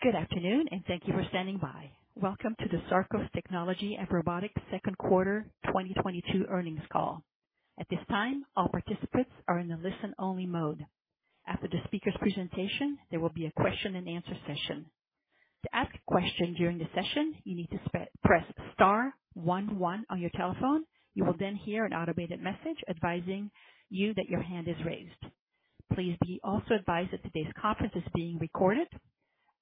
Good afternoon, and thank you for standing by. Welcome to the Sarcos Technology and Robotics second quarter 2022 earnings call. At this time, all participants are in a listen-only mode. After the speakers' presentation, there will be a question-and-answer session. To ask a question during the session, you need to press star one one on your telephone. You will then hear an automated message advising you that your hand is raised. Please be also advised that today's conference is being recorded.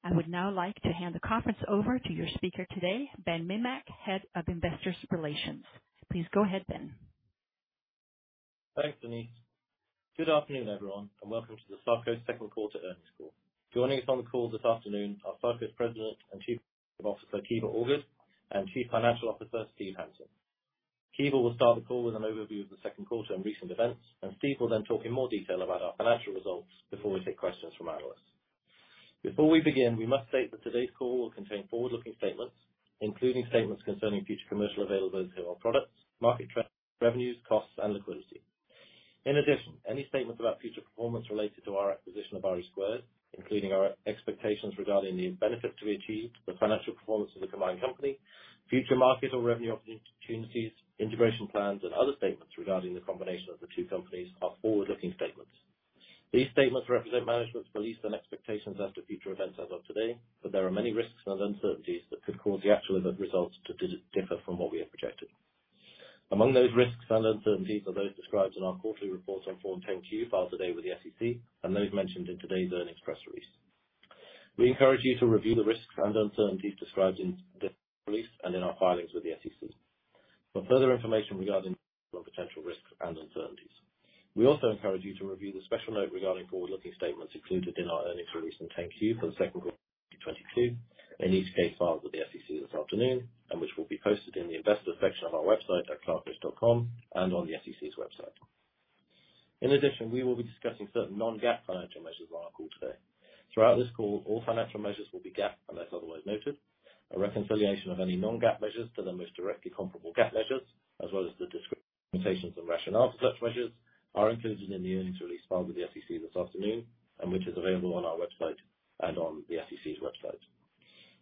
I would now like to hand the conference over to your speaker today, Ben Mimmack, Head of Investor Relations. Please go ahead, Ben. Thanks, Denise. Good afternoon, everyone, and welcome to the Sarcos second quarter earnings call. Joining us on the call this afternoon are Sarcos President and Chief Executive Officer, Kiva Allgood, and Chief Financial Officer, Steve Hansen. Kiva will start the call with an overview of the second quarter and recent events, and Steve will then talk in more detail about our financial results before we take questions from analysts. Before we begin, we must state that today's call will contain forward-looking statements, including statements concerning future commercial availability of our products, market trends, revenues, costs, and liquidity. In addition, any statements about future performance related to our acquisition of RE2, including our expectations regarding the benefit to be achieved, the financial performance of the combined company, future market or revenue opportunities, integration plans, and other statements regarding the combination of the two companies are forward-looking statements. These statements represent management's beliefs and expectations as to future events as of today. There are many risks and uncertainties that could cause the actual results to differ from what we have projected. Among those risks and uncertainties are those described in our quarterly reports on Form 10-Q filed today with the SEC and those mentioned in today's earnings press release. We encourage you to review the risks and uncertainties described in this release and in our filings with the SEC. For further information regarding potential risks and uncertainties, we also encourage you to review the special note regarding forward-looking statements included in our earnings release and 10-Q for the second quarter of 2022, in each case filed with the SEC this afternoon and which will be posted in the Investor section of our website at sarcos.com and on the SEC's website. In addition, we will be discussing certain non-GAAP financial measures on our call today. Throughout this call, all financial measures will be GAAP unless otherwise noted. A reconciliation of any non-GAAP measures to the most directly comparable GAAP measures, as well as the descriptions and rationale for such measures, are included in the earnings release filed with the SEC this afternoon and which is available on our website and on the SEC's website.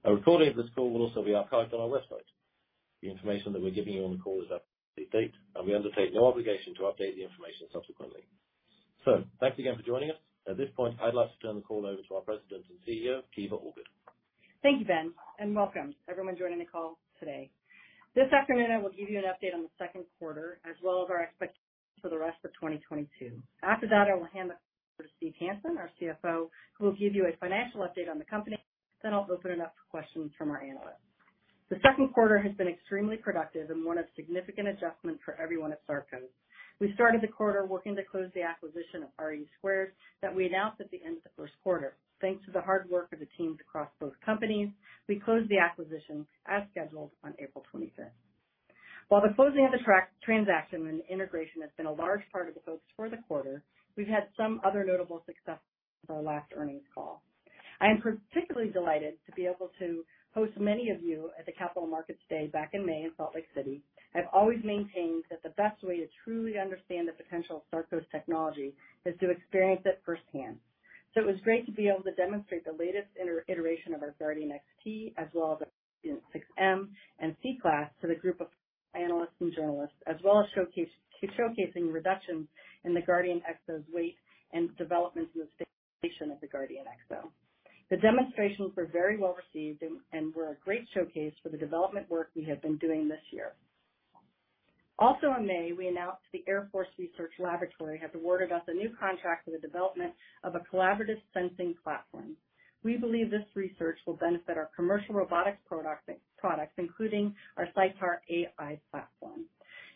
A recording of this call will also be archived on our website. The information that we're giving you on the call is as of this date, and we undertake no obligation to update the information subsequently. Thanks again for joining us. At this point, I'd like to turn the call over to our President and CEO, Kiva Allgood. Thank you, Ben, and welcome everyone joining the call today. This afternoon, I will give you an update on the second quarter as well as our expectations for the rest of 2022. After that, I will hand the call over to Steve Hansen, our CFO, who will give you a financial update on the company. Then I'll open it up for questions from our analysts. The second quarter has been extremely productive and one of significant adjustment for everyone at Sarcos. We started the quarter working to close the acquisition of RE2 that we announced at the end of the first quarter. Thanks to the hard work of the teams across both companies, we closed the acquisition as scheduled on April 25. While the closing of the transaction and integration has been a large part of the focus for the quarter, we've had some other notable successes since our last earnings call. I am particularly delighted to be able to host many of you at the Capital Markets Day back in May in Salt Lake City. I've always maintained that the best way to truly understand the potential of Sarcos technology is to experience it firsthand. It was great to be able to demonstrate the latest iteration of our Guardian XT as well as our Sapien 6M and Sea Class to the group of analysts and journalists, as well as showcase reductions in the Guardian XO's weight and developments in the stabilization of the Guardian XO. The demonstrations were very well received and were a great showcase for the development work we have been doing this year. Also in May, we announced the Air Force Research Laboratory has awarded us a new contract for the development of a collaborative sensing platform. We believe this research will benefit our commercial robotics products, including our CYTAR AI platform.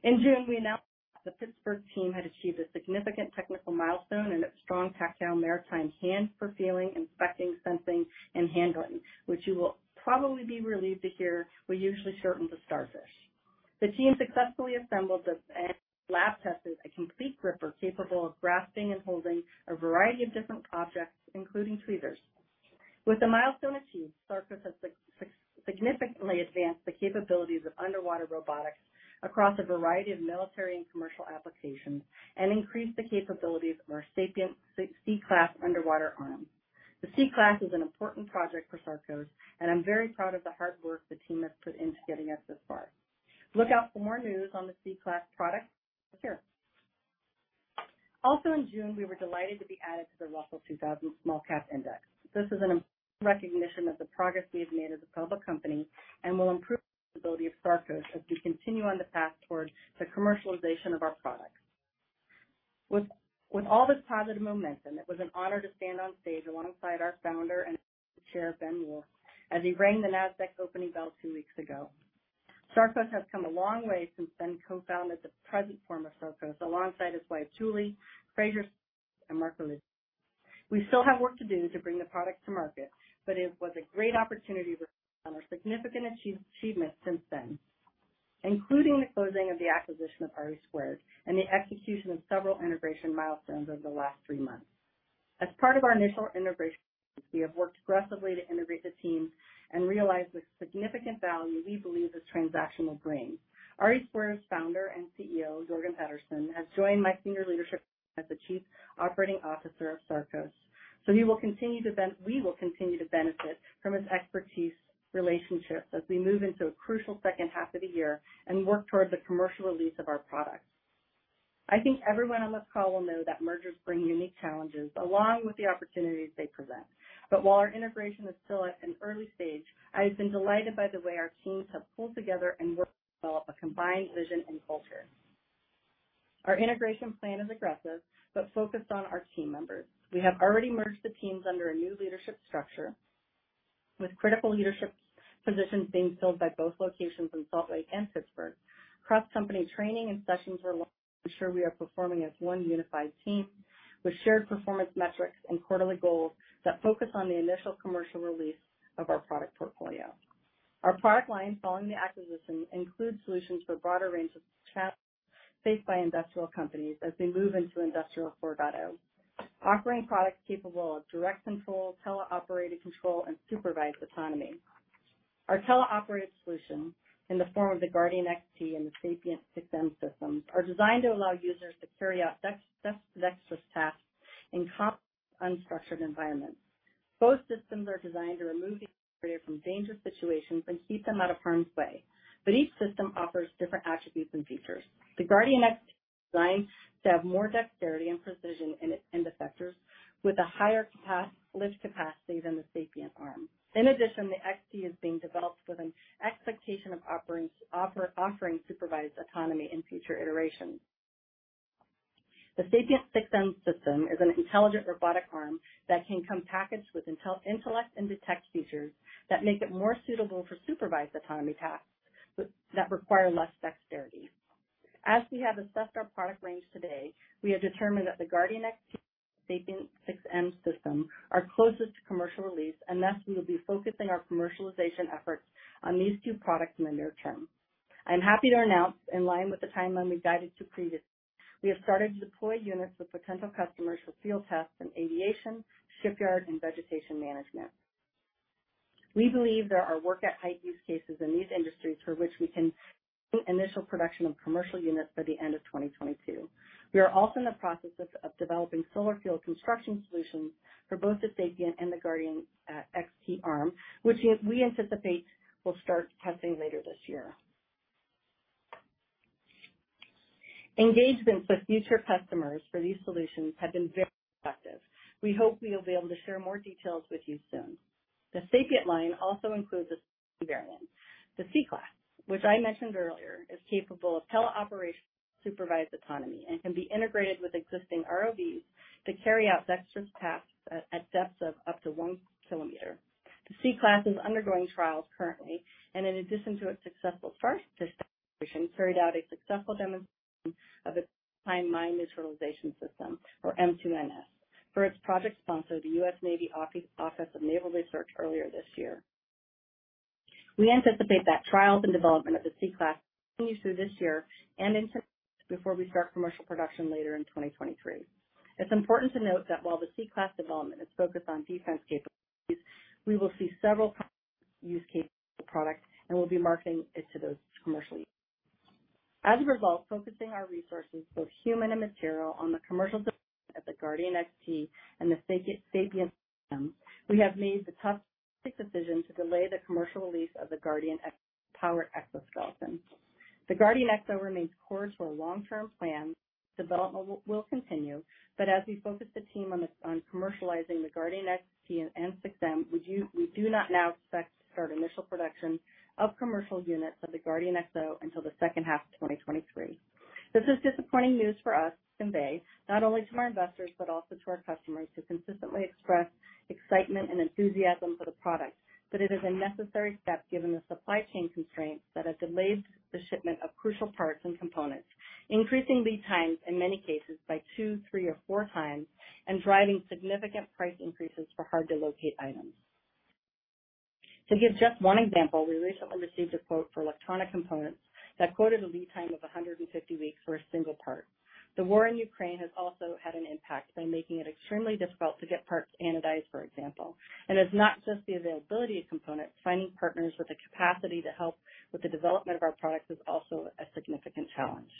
In June, we announced the Pittsburgh team had achieved a significant technical milestone in its strong tactile maritime hand for feeling, inspecting, sensing, and handling, which you will probably be relieved to hear we usually shorten to STARFISH. The team successfully assembled and lab tested a complete gripper capable of grasping and holding a variety of different objects, including tweezers. With the milestone achieved, Sarcos has significantly advanced the capabilities of underwater robotics across a variety of military and commercial applications and increased the capabilities of our Sapien Sea Class underwater arm. The Sea Class is an important project for Sarcos, and I'm very proud of the hard work the team has put into getting us this far. Look out for more news on the Sea Class product soon. Also in June, we were delighted to be added to the Russell 2000 Small Cap Index. This is an important recognition of the progress we have made as a public company and will improve the visibility of Sarcos as we continue on the path towards the commercialization of our products. With all this positive momentum, it was an honor to stand on stage alongside our founder and chair, Ben Wolff, as he rang the Nasdaq opening bell two weeks ago. Sarcos has come a long way since Ben co-founded the present form of Sarcos alongside his wife, Julie, Fraser Smith, and Marc-Olivier. We still have work to do to bring the product to market, but it was a great opportunity to reflect on our significant achievement since then, including the closing of the acquisition of RE2 and the execution of several integration milestones over the last three months. As part of our initial integration, we have worked aggressively to integrate the teams and realize the significant value we believe this transaction will bring. RE2's founder and CEO, Jorgen Pedersen, has joined my senior leadership team as the Chief Operating Officer of Sarcos. So we will continue to benefit from his expertise and relationships as we move into a crucial second half of the year and work toward the commercial release of our products. I think everyone on this call will know that mergers bring unique challenges along with the opportunities they present. While our integration is still at an early stage, I have been delighted by the way our teams have pulled together and worked to develop a combined vision and culture. Our integration plan is aggressive but focused on our team members. We have already merged the teams under a new leadership structure, with critical leadership positions being filled by both locations in Salt Lake and Pittsburgh. Cross-company training and sessions are launched to ensure we are performing as one unified team with shared performance metrics and quarterly goals that focus on the initial commercial release of our product portfolio. Our product line following the acquisition includes solutions for a broader range of challenges faced by industrial companies as they move into Industry 4.0, offering products capable of direct control, teleoperated control, and supervised autonomy. Our teleoperated solution, in the form of the Guardian XT and the Sapien 6M systems, are designed to allow users to carry out dexterous tasks in complex, unstructured environments. Both systems are designed to remove the operator from dangerous situations and keep them out of harm's way, but each system offers different attributes and features. The Guardian XT is designed to have more dexterity and precision in the effectors with a higher lift capacity than the Sapien arm. In addition, the XT is being developed with an expectation of offering supervised autonomy in future iterations. The Sapien 6M system is an intelligent robotic arm that can come packaged with Intellect and Detect features that make it more suitable for supervised autonomy tasks that require less dexterity. As we have assessed our product range today, we have determined that the Guardian XT and Sapien 6M system are closest to commercial release, and thus we will be focusing our commercialization efforts on these two products in the near term. I'm happy to announce, in line with the timeline we guided to previously, we have started to deploy units with potential customers for field tests in aviation, shipyards, and vegetation management. We believe there are work-at-height use cases in these industries for which we can see initial production of commercial units by the end of 2022. We are also in the process of developing solar field construction solutions for both the Sapien and the Guardian XT arm, which we anticipate will start testing later this year. Engagement with future customers for these solutions have been very effective. We hope we will be able to share more details with you soon. The Sapien line also includes a sea variant. The Sea Class, which I mentioned earlier, is capable of teleoperation, supervised autonomy, and can be integrated with existing ROVs to carry out dexterous tasks at depths of up to 1 kilometer. The Sea Class is undergoing trials currently, and in addition to a successful first demonstration, carried out a successful demonstration of its mine neutralization system, or M2NS, for its project sponsor, the U.S. Navy Office of Naval Research, earlier this year. We anticipate that trials and development of the Sea Class will continue through this year and into before we start commercial production later in 2023. It's important to note that while the Sea Class development is focused on defense capabilities, we will see several use cases for the product and will be marketing it to those commercially. As a result, focusing our resources, both human and material, on the commercial development of the Guardian XT and the Sapien systems, we have made the tough strategic decision to delay the commercial release of the Guardian XO powered exoskeleton. The Guardian XO remains on course for long-term plans. Development will continue, but as we focus the team on commercializing the Guardian XT and 6M, we do not now expect to start initial production of commercial units of the Guardian XO until the second half of 2023. This is disappointing news for us to convey, not only to our investors, but also to our customers, who consistently express excitement and enthusiasm for the product. It is a necessary step given the supply chain constraints that have delayed the shipment of crucial parts and components, increasing lead times in many cases by 2, 3, or 4 times, and driving significant price increases for hard-to-locate items. To give just one example, we recently received a quote for electronic components that quoted a lead time of 150 weeks for a single part. The war in Ukraine has also had an impact by making it extremely difficult to get parts anodized, for example. It's not just the availability of components. Finding partners with the capacity to help with the development of our products is also a significant challenge.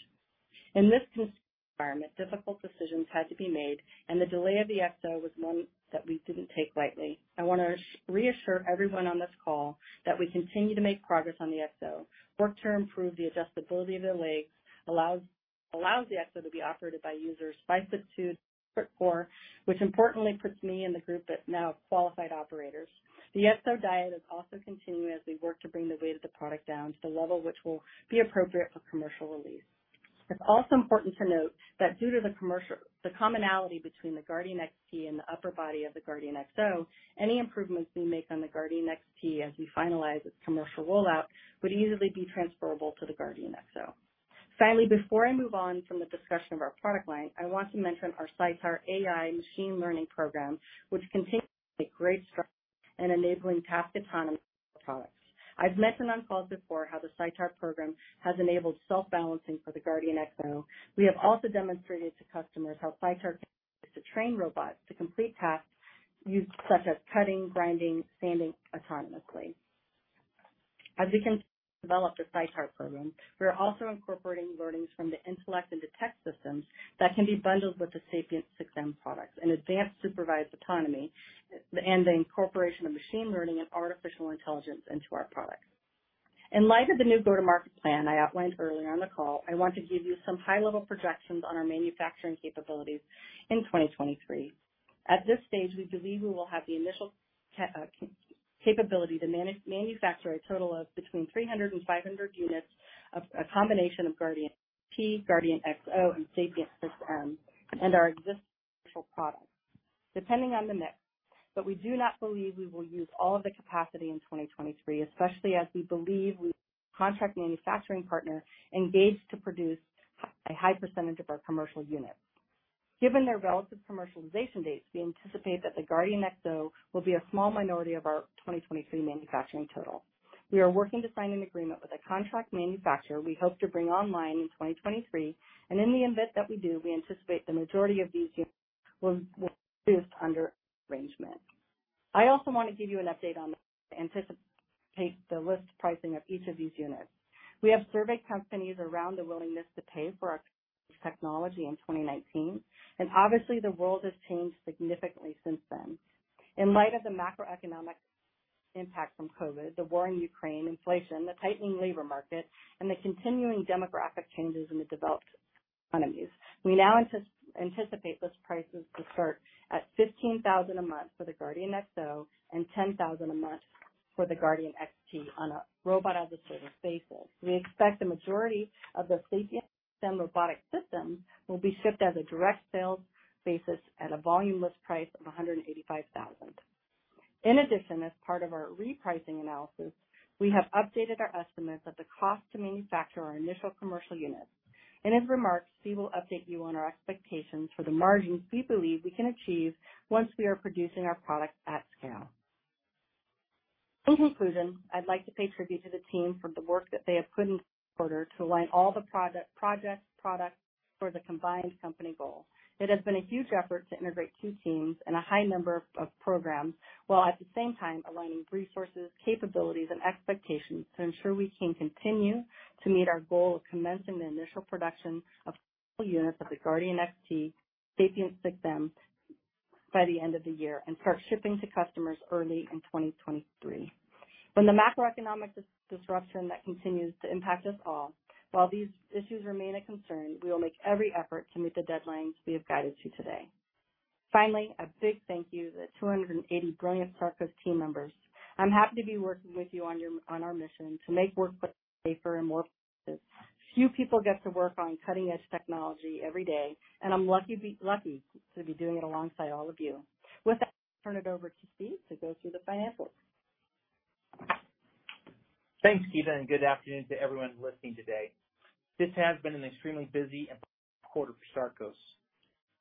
In this business environment, difficult decisions had to be made, and the delay of the XO was one that we didn't take lightly. I wanna reassure everyone on this call that we continue to make progress on the XO. Work to improve the adjustability of the legs allows the XO to be operated by users by the two or four, which importantly puts me in the group of now qualified operators. The XO diet is also continuing as we work to bring the weight of the product down to the level which will be appropriate for commercial release. It's also important to note that due to the commonality between the Guardian XT and the upper body of the Guardian XO, any improvements we make on the Guardian XT as we finalize its commercial rollout would easily be transferable to the Guardian XO. Finally, before I move on from the discussion of our product line, I want to mention our CYTAR AI machine learning program, which continues to make great strides in enabling task autonomy for our products. I've mentioned on calls before how the CYTAR program has enabled self-balancing for the Guardian XO. We have also demonstrated to customers how CYTAR can be used to train robots to complete tasks used, such as cutting, grinding, sanding autonomously. As we continue to develop the CYTAR program, we are also incorporating learnings from the Intellect and Detect systems that can be bundled with the Sapien 6M products and advanced supervised autonomy, and the incorporation of machine learning and artificial intelligence into our products. In light of the new go-to-market plan I outlined earlier on the call, I want to give you some high level projections on our manufacturing capabilities in 2023. At this stage, we believe we will have the initial capability to manufacture a total of between 300 and 500 units of a combination of Guardian XT, Guardian XO, and Sapien 6M, and our existing commercial products. Depending on the mix, but we do not believe we will use all of the capacity in 2023, especially as we believe our contract manufacturing partner engaged to produce a high percentage of our commercial units. Given their relative commercialization dates, we anticipate that the Guardian XO will be a small minority of our 2023 manufacturing total. We are working to sign an agreement with a contract manufacturer we hope to bring online in 2023. In the event that we do, we anticipate the majority of these units will be produced under arrangement. I also want to give you an update on the anticipated list pricing of each of these units. We have surveyed companies regarding the willingness to pay for our technology in 2019, and obviously, the world has changed significantly since then. In light of the macroeconomic impact from COVID, the war in Ukraine, inflation, the tightening labor market, and the continuing demographic changes in the developed economies, we now anticipate list prices to start at $15,000 a month for the Guardian XO and $10,000 a month for the Guardian XT on a Robot as a Service basis. We expect the majority of the Sapien 6M robotic systems will be shipped as a direct sales basis at a volume list price of $185,000. In addition, as part of our repricing analysis, we have updated our estimates of the cost to manufacture our initial commercial units. In his remarks, Steve will update you on our expectations for the margins we believe we can achieve once we are producing our products at scale. In conclusion, I'd like to pay tribute to the team for the work that they have put in order to align all the product, projects, products for the combined company goal. It has been a huge effort to integrate two teams and a high number of programs, while at the same time aligning resources, capabilities, and expectations to ensure we can continue to meet our goal of commencing the initial production of several units of the Guardian XT, Sapien 6M by the end of the year and start shipping to customers early in 2023. While the macroeconomic disruption that continues to impact us all, while these issues remain a concern, we will make every effort to meet the deadlines we have guided you today. Finally, a big thank you to the 280 brilliant Sarcos team members. I'm happy to be working with you on our mission to make workplaces safer and more productive. Few people get to work on cutting-edge technology every day, and I'm lucky to be doing it alongside all of you. With that, I'll turn it over to Steve Hansen to go through the financials. Thanks, Kiva, and good afternoon to everyone listening today. This has been an extremely busy quarter for Sarcos.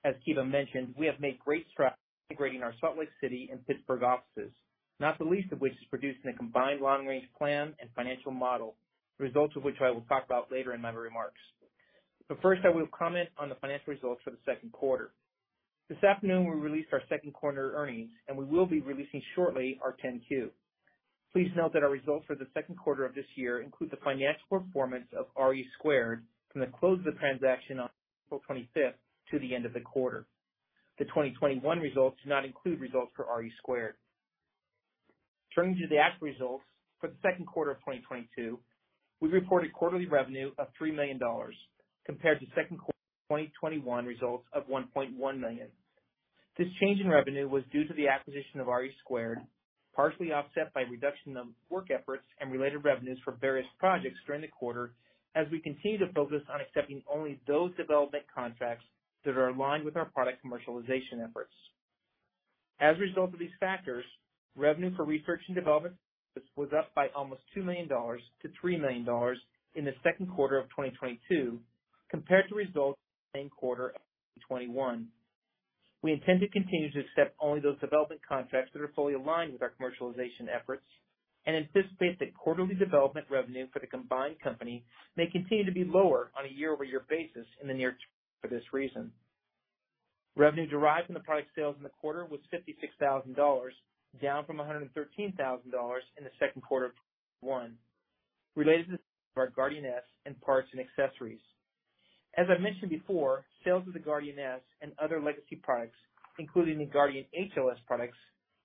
As Kiva mentioned, we have made great strides integrating our Salt Lake City and Pittsburgh offices, not the least of which is producing a combined long-range plan and financial model, the results of which I will talk about later in my remarks. First, I will comment on the financial results for the second quarter. This afternoon, we released our second quarter earnings, and we will be releasing shortly our 10-Q. Please note that our results for the second quarter of this year include the financial performance of RE2 from the close of the transaction on April 25 to the end of the quarter. The 2021 results do not include results for RE2. Turning to the actual results for the second quarter of 2022, we reported quarterly revenue of $3 million compared to second quarter 2021 results of $1.1 million. This change in revenue was due to the acquisition of RE2, partially offset by reduction of work efforts and related revenues for various projects during the quarter as we continue to focus on accepting only those development contracts that are aligned with our product commercialization efforts. As a result of these factors, revenue for research and development was up by almost $2 million-$3 million in the second quarter of 2022 compared to results same quarter of 2021. We intend to continue to accept only those development contracts that are fully aligned with our commercialization efforts and anticipate that quarterly development revenue for the combined company may continue to be lower on a year-over-year basis in the near term for this reason. Revenue derived from the product sales in the quarter was $56,000, down from $113,000 in the second quarter of 2021. Related to our Guardian S and parts and accessories. As I mentioned before, sales of the Guardian S and other legacy products, including the Guardian HLS products,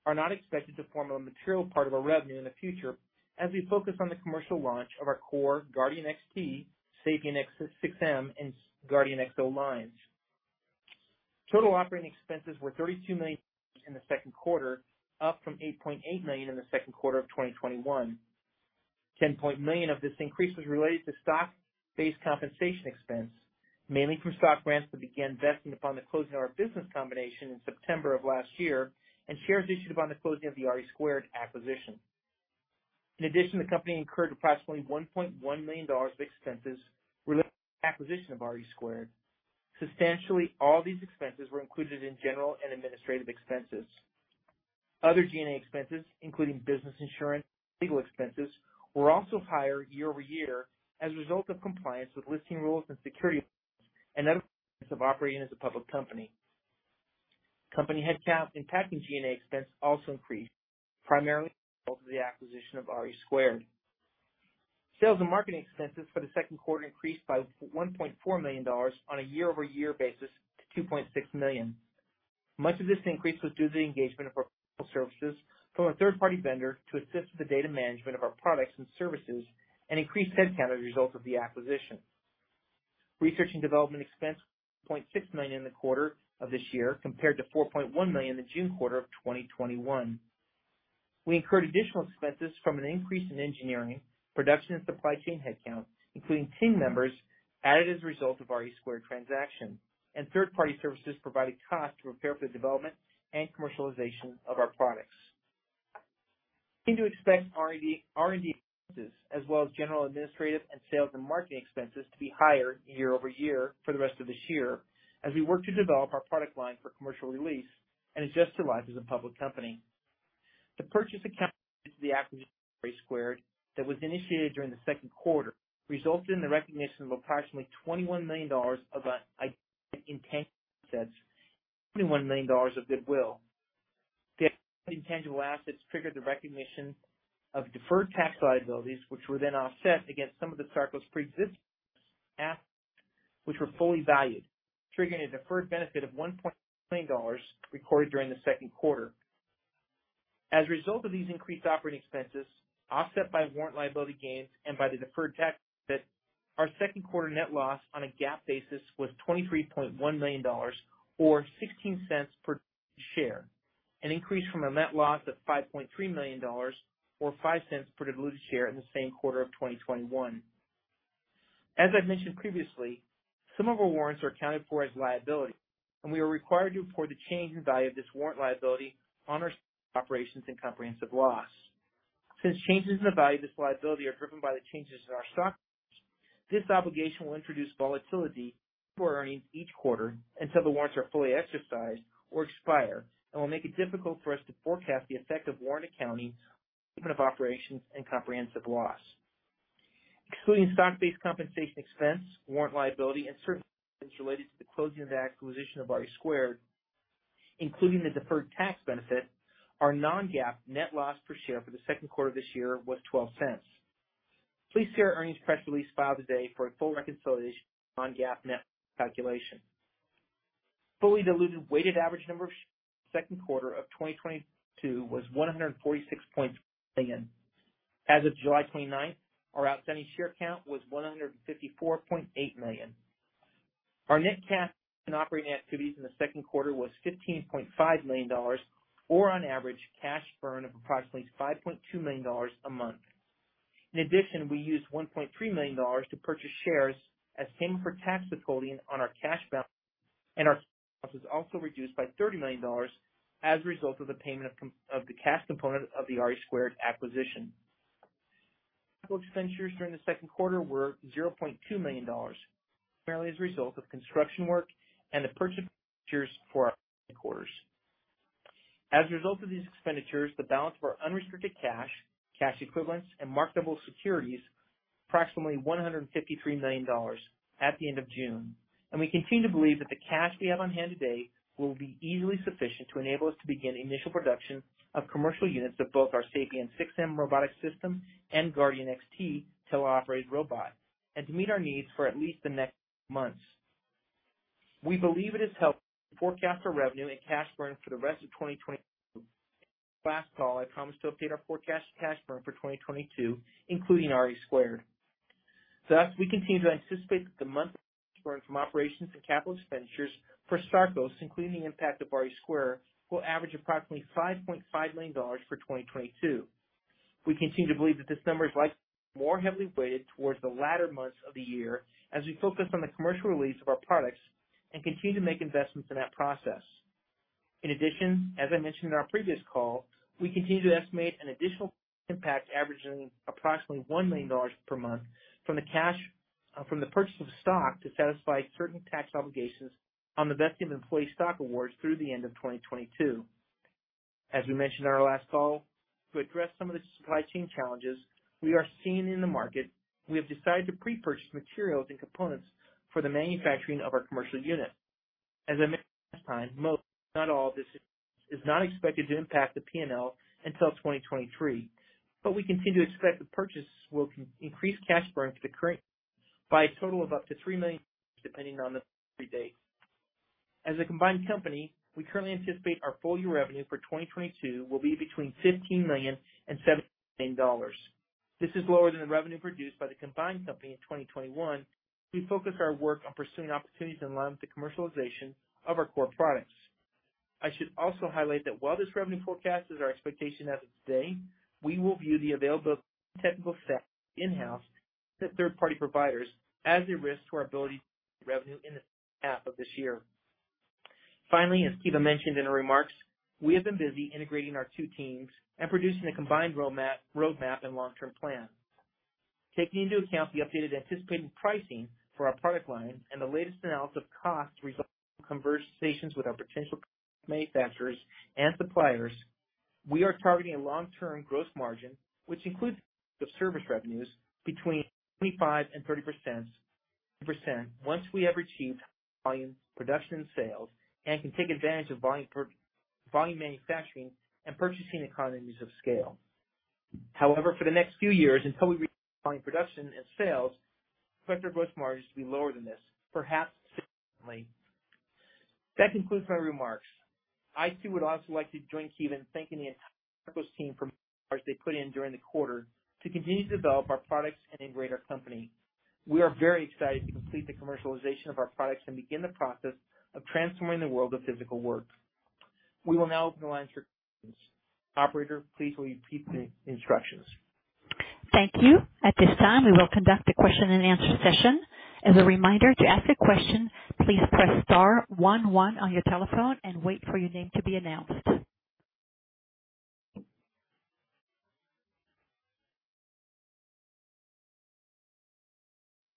are not expected to form a material part of our revenue in the future as we focus on the commercial launch of our core Guardian XT, Sapien 6M, and Guardian XO lines. Total operating expenses were $32 million in the second quarter, up from $8.8 million in the second quarter of 2021. Ten million of this increase was related to stock-based compensation expense, mainly from stock grants that began vesting upon the closing of our business combination in September of last year and shares issued upon the closing of the RE2 acquisition. In addition, the company incurred approximately $1.1 million of expenses related to the acquisition of RE2. Substantially all these expenses were included in general and administrative expenses. Other G&A expenses, including business insurance, legal expenses, were also higher year-over-year as a result of compliance with listing rules and security and other expenses of operating as a public company. Company headcount and G&A expense also increased, primarily as a result of the acquisition of RE2. Sales and marketing expenses for the second quarter increased by $1.4 million on a year-over-year basis to $2.6 million. Much of this increase was due to the engagement of professional services from a third-party vendor to assist with the data management of our products and services and increased headcount as a result of the acquisition. Research and development expense $0.6 million in the quarter of this year compared to $4.1 million in the June quarter of 2021. We incurred additional expenses from an increase in engineering, production and supply chain headcount, including team members added as a result of our RE2 transaction and third-party services provided costs to prepare for the development and commercialization of our products. We continue to expect R&D, R&D expenses as well as general, administrative and sales and marketing expenses to be higher year-over-year for the rest of this year as we work to develop our product line for commercial release and adjust to life as a public company. The purchase accounting of the acquisition of RE2 that was initiated during the second quarter resulted in the recognition of approximately $21 million of identifiable intangible assets and $21 million of goodwill. The identifiable intangible assets triggered the recognition of deferred tax liabilities, which were then offset against some of the Sarcos pre-existing assets, which were fully valued, triggering a deferred tax benefit of $1.5 million recorded during the second quarter. As a result of these increased operating expenses, offset by warrant liability gains and by the deferred tax benefit, our second quarter net loss on a GAAP basis was $23.1 million or $0.16 per share, an increase from a net loss of $5.3 million or $0.05 per diluted share in the same quarter of 2021. As I've mentioned previously, some of our warrants are accounted for as liability, and we are required to report the change in value of this warrant liability on our statement of operations and comprehensive loss. Since changes in the value of this liability are driven by the changes in our stock price, this obligation will introduce volatility into our earnings each quarter until the warrants are fully exercised or expire and will make it difficult for us to forecast the effect of warrant accounting on our statement of operations and comprehensive loss. Excluding stock-based compensation expense, warrant liability, and certain expenses related to the closing of the acquisition of RE2, including the deferred tax benefit, our non-GAAP net loss per share for the second quarter of this year was $0.12. Please see our earnings press release filed today for a full reconciliation of this non-GAAP net loss calculation. Fully diluted weighted average number of shares in the second quarter of 2022 was 146.4 million. As of July 29th, our outstanding share count was 154.8 million. Our net cash used in operating activities in the second quarter was $15.5 million or on average cash burn of approximately $5.2 million a month. In addition, we used $1.3 million to purchase shares as payment for tax withholding on our cash balance, and our share balance was also reduced by $30 million as a result of the payment of the cash component of the RE2 acquisition. Capital expenditures during the second quarter were $0.2 million, primarily as a result of construction work and the purchase of fixtures for our headquarters. As a result of these expenditures, the balance of our unrestricted cash equivalents, and marketable securities was approximately $153 million at the end of June. We continue to believe that the cash we have on hand today will be easily sufficient to enable us to begin initial production of commercial units of both our Sapien 6M robotic system and Guardian XT teleoperated robot, and to meet our needs for at least the next 12 months. We believe it is helpful to forecast our revenue and cash burn for the rest of 2022. As I mentioned on our last call, I promised to update our forecast cash burn for 2022, including RE2. Thus, we continue to anticipate that the monthly cash burn from operations and capital expenditures for Sarcos, including the impact of RE2, will average approximately $5.5 million for 2022. We continue to believe that this number is likely to be more heavily weighted towards the latter months of the year as we focus on the commercial release of our products and continue to make investments in that process. In addition, as I mentioned in our previous call, we continue to estimate an additional cash impact averaging approximately $1 million per month from the cash from the purchase of stock to satisfy certain tax obligations on the vesting of employee stock awards through the end of 2022. As we mentioned in our last call, to address some of the supply chain challenges we are seeing in the market, we have decided to pre-purchase materials and components for the manufacturing of our commercial units. As I mentioned last time, most, if not all, of this is not expected to impact the P&L until 2023, but we continue to expect the purchases will increase cash burn for the current year by a total of up to $3 million, depending on the delivery dates. As a combined company, we currently anticipate our full year revenue for 2022 will be between $15 million and $17 million. This is lower than the revenue produced by the combined company in 2021 as we focus our work on pursuing opportunities in line with the commercialization of our core products. I should also highlight that while this revenue forecast is our expectation as of today, we will view the availability of technical staff, both in-house and third-party providers, as a risk to our ability to produce this revenue in the second half of this year. Finally, as Kiva mentioned in her remarks, we have been busy integrating our two teams and producing a combined roadmap and long-term plan. Taking into account the updated anticipated pricing for our product line and the latest analysis of costs resulting from conversations with our potential production manufacturers and suppliers, we are targeting a long-term gross margin, which includes the service revenues, between 25% and 30% once we have achieved volume production sales and can take advantage of volume manufacturing and purchasing economies of scale. However, for the next few years, until we reach volume production and sales, collector gross margin is to be lower than this, perhaps significantly. That concludes my remarks. I, too, would also like to join Kiva in thanking the entire Sarcos team for the hard work they put in during the quarter to continue to develop our products and integrate our company. We are very excited to complete the commercialization of our products and begin the process of transforming the world of physical work. We will now open the line for questions. Operator, please will you repeat the instructions? Thank you. At this time, we will conduct a question and answer session. As a reminder, to ask a question, please press star one one on your telephone and wait for your name to be announced.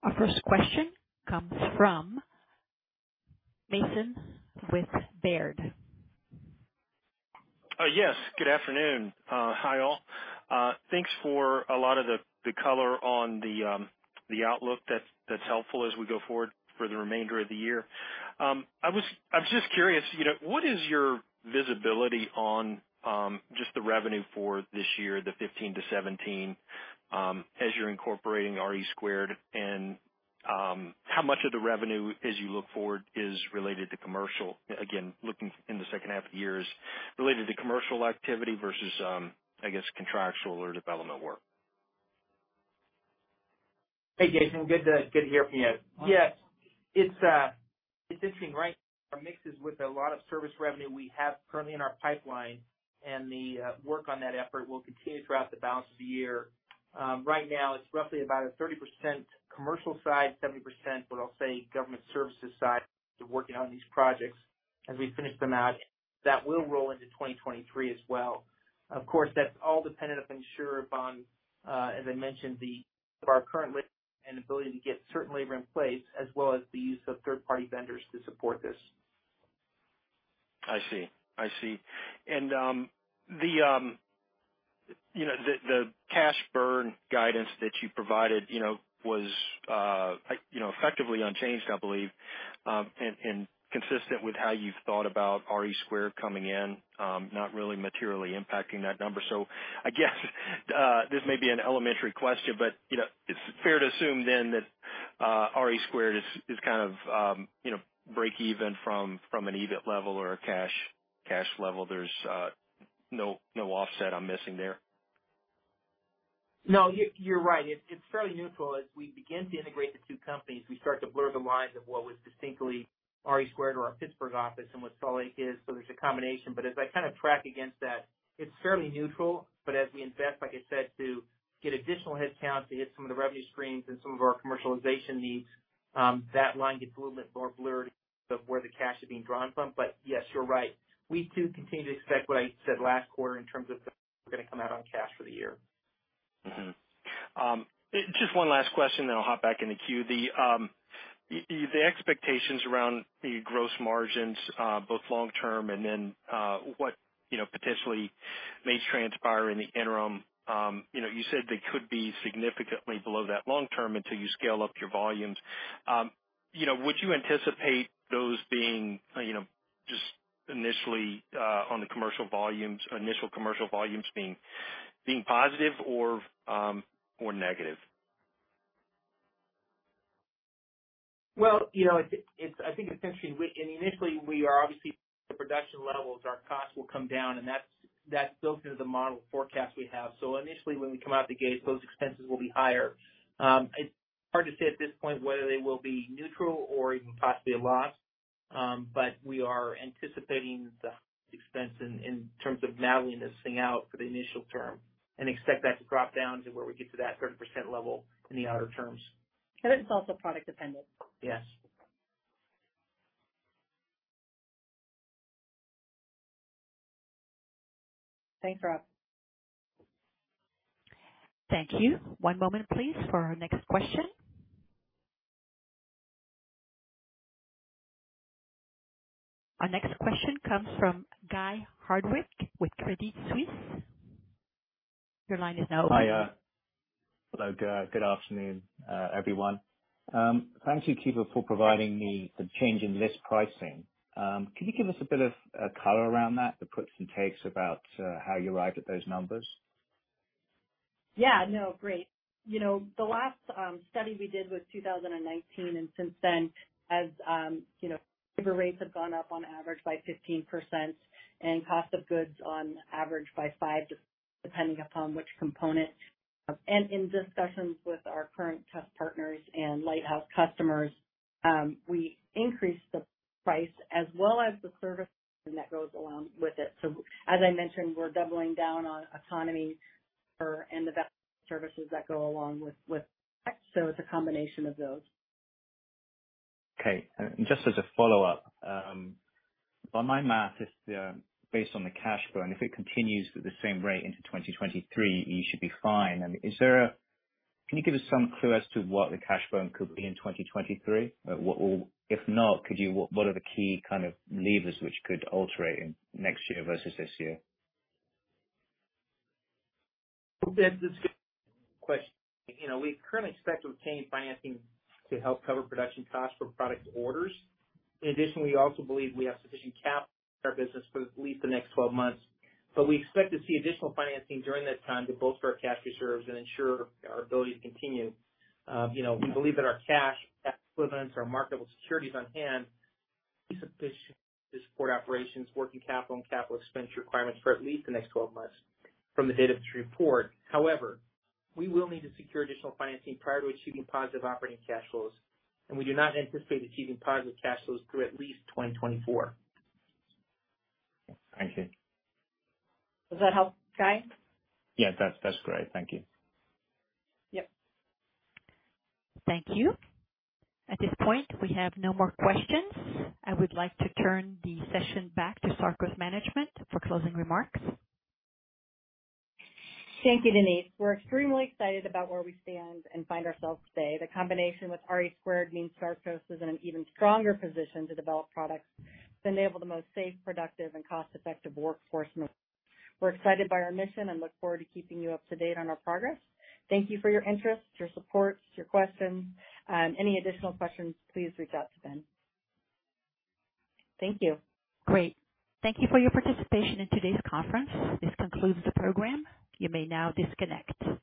Our first question comes from Rob Mason with Baird. Yes, good afternoon. Hi, all. Thanks for a lot of the color on the outlook. That's helpful as we go forward for the remainder of the year. I was just curious, you know, what is your visibility on just the revenue for this year, the $15-$17, as you're incorporating RE2, and how much of the revenue, as you look forward, is related to commercial? Again, looking in the second half of the year, is related to commercial activity versus, I guess, contractual or development work. Hey, Jason, good to hear from you. Yes, it's interesting, right? Our mix is with a lot of service revenue we have currently in our pipeline, and the work on that effort will continue throughout the balance of the year. Right now it's roughly about a 30% commercial side, 70%, what I'll say, government services side to working on these projects. As we finish them out, that will roll into 2023 as well. Of course, that's all dependent upon ensuring bond, as I mentioned, the of our current and ability to get certain labor in place as well as the use of third-party vendors to support this. I see. The cash burn guidance that you provided, you know, was, you know, effectively unchanged, I believe, and consistent with how you've thought about RE2 coming in, not really materially impacting that number. I guess this may be an elementary question, but, you know, it's fair to assume then that RE2 is kind of break even from an EBIT level or a cash level. There's no offset I'm missing there. No, you're right. It's fairly neutral. As we begin to integrate the two companies, we start to blur the lines of what was distinctly RE2 or our Pittsburgh office and what Salt Lake is, so there's a combination. As I kind of track against that, it's fairly neutral. As we invest, like I said, to get additional headcounts to hit some of the revenue streams and some of our commercialization needs, that line gets a little bit more blurred of where the cash is being drawn from. Yes, you're right. We do continue to expect what I said last quarter in terms of we're gonna come out on cash for the year. Just one last question, then I'll hop back in the queue. The expectations around the gross margins, both long-term and then what you know potentially may transpire in the interim, you know, you said they could be significantly below that long-term until you scale up your volumes. You know, would you anticipate those being, you know, just initially on the commercial volumes, initial commercial volumes being positive or negative? Well, you know, I think it's interesting. Initially, we are obviously at low production levels, our costs will come down and that's built into the model forecast we have. Initially, when we come out the gate, those expenses will be higher. It's hard to say at this point whether they will be neutral or even possibly a loss. We are anticipating the expense in terms of mapping this thing out for the initial term and expect that to drop down to where we get to that 30% level in the outer terms. It's also product dependent. Yes. Thanks, Rob. Thank you. One moment please for our next question. Our next question comes from Guy Hardwick with Credit Suisse. Your line is now open. Hi. Hello, Guy. Good afternoon, everyone. Thank you, Kiva, for providing me the change in list pricing. Can you give us a bit of color around that, the puts and takes about how you arrived at those numbers? Yeah. No, great. You know, the last study we did was 2019, and since then, as you know, labor rates have gone up on average by 15% and cost of goods on average by 5%, depending upon which component. In discussions with our current test partners and lighthouse customers, we increased the price as well as the services that goes along with it. As I mentioned, we're doubling down on autonomy and the services that go along with it. It's a combination of those. Okay. Just as a follow-up, by my math, based on the cash burn, if it continues at the same rate into 2023, you should be fine. I mean, is there a clue as to what the cash burn could be in 2023? If not, what are the key kind of levers which could alter it in next year versus this year? That's a good question. You know, we currently expect to obtain financing to help cover production costs for product orders. In addition, we also believe we have sufficient capital in our business for at least the next 12 months. We expect to see additional financing during that time to bolster our cash reserves and ensure our ability to continue. You know, we believe that our cash equivalents, our marketable securities on hand be sufficient to support operations, working capital, and capital expenditure requirements for at least the next 12 months from the date of this report. However, we will need to secure additional financing prior to achieving positive operating cash flows, and we do not anticipate achieving positive cash flows through at least 2024. Thank you. Does that help, Guy? Yeah, that's great. Thank you. Yep. Thank you. At this point, we have no more questions. I would like to turn the session back to Sarcos management for closing remarks. Thank you, Denise. We're extremely excited about where we stand and find ourselves today. The combination with RE2 means Sarcos is in an even stronger position to develop products to enable the most safe, productive, and cost-effective workforce. We're excited by our mission and look forward to keeping you up to date on our progress. Thank you for your interest, your support, your questions. Any additional questions, please reach out to Ben. Thank you. Great. Thank you for your participation in today's conference. This concludes the program. You may now disconnect.